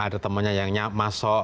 ada temannya yang nyap masot